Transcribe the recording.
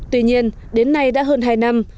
tuy nhiên đến nay đã hơn hai năm